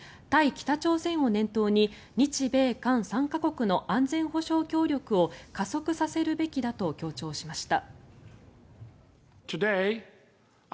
北朝鮮を念頭に日米韓３か国の安全保障協力を加速させるべきだと強調しました。